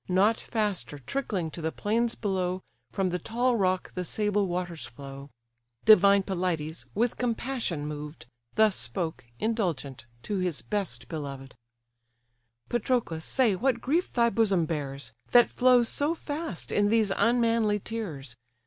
Not faster, trickling to the plains below, From the tall rock the sable waters flow. Divine Pelides, with compassion moved. Thus spoke, indulgent, to his best beloved: "Patroclus, say, what grief thy bosom bears, That flows so fast in these unmanly tears?